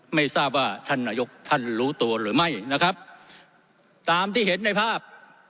ไม่ทราบว่าท่านนายกท่านรู้ตัวหรือไม่นะครับตามที่เห็นในภาพ